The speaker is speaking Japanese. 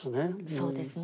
そうですね。